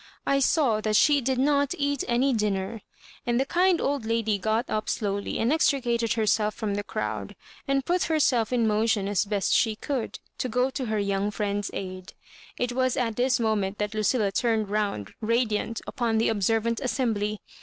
'' I saw that she did not eat any dinner" — and the kind old lady got up slowly and extri cated herself from the crowd, and put herself in motion as best she could, to go to her young friend's aid. It was at this moment that Lucilla turned round radiant upon the observant assembly.